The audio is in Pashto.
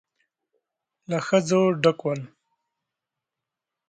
له ښځو ډک ول.